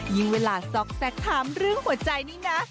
ยิงเวลาซอกแซกทำเรื่องหัวใจนี่นะ